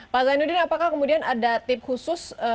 pak zainuddin apakah kemudian ada tip khusus